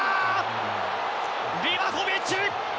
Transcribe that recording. リバコビッチ！